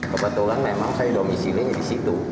kebetulan memang saya domisilinya di situ